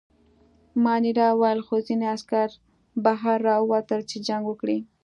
مانیرا وویل: خو ځینې عسکر بهر راووتل، چې جنګ وکړي.